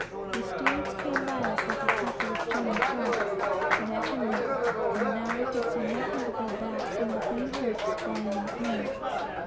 The steeds came by us like a couple of chain shot neck and neck; and now we could see nothing but their backs, and their hind hoofs flying in the air.